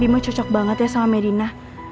imam cocok banget ya sama medina